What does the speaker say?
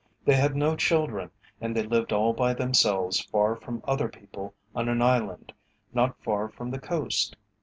They had no children and they lived all by themselves far from other people on an island not far from the coast.